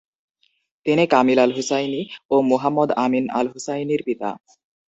তিনি Kamil al Husseini ও Muhammad Amin আল-হুসাইনির পিতা।